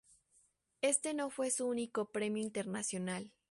Este no fue su único premio internacional.